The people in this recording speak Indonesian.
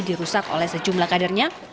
dirusak oleh sejumlah kadernya